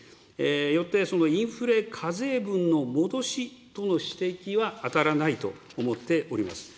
よって、そのインフレ課税分の戻しとの指摘は当たらないと思っております。